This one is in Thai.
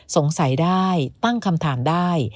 สงสัยได้ตั้งคำถามได้